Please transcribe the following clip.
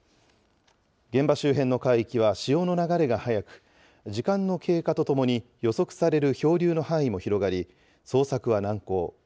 現場周辺の海域は潮の流れが速く、時間の経過とともに予測される漂流の範囲も広がり、捜索は難航。